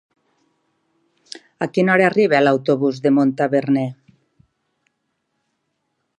A quina hora arriba l'autobús de Montaverner?